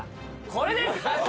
これです